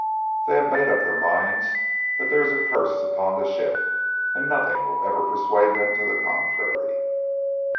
They have made up their minds that there is a curse upon the ship, and nothing will ever persuade them to the contrary.